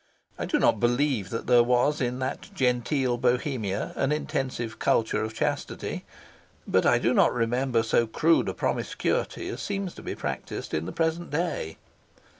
I do not believe that there was in that genteel Bohemia an intensive culture of chastity, but I do not remember so crude a promiscuity as seems to be practised in the present day.